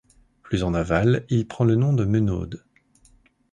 Plus en aval, il prend le nom de Menaude.